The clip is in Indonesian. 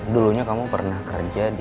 dulunya kamu pernah kerja di pt hartawan sentosa